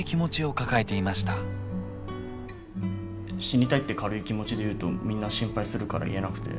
死にたいって軽い気持ちで言うとみんな心配するから言えなくて。